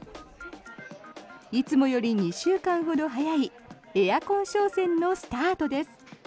いつもより２週間ほど早いエアコン商戦のスタートです。